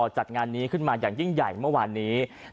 จัดงานนี้ขึ้นมาอย่างยิ่งใหญ่เมื่อวานนี้